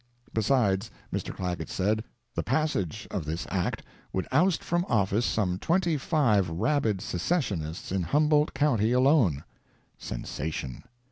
Besides, Mr. Clagett said, the passage of this Act would oust from office some twenty five rabid Secessionists in Humboldt county alone! [Sensation.